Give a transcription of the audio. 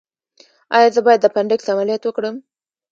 ایا زه باید د اپنډکس عملیات وکړم؟